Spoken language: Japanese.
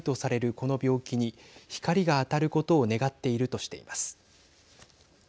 この病気に光が当たることを願っているとしています。